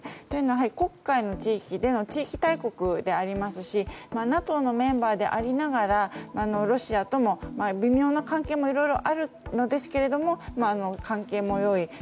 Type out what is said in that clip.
というのは、黒海の地域での地域大国でありますしＮＡＴＯのメンバーでありながらロシアとも微妙な関係もいろいろあるんですが関係も良い。